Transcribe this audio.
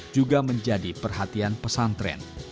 juga menjadi perhatian pesantren